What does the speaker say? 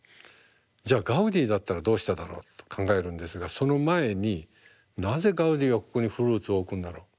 じゃあガウディだったらどうしただろうと考えるんですがその前になぜガウディはここにフルーツを置くんだろう。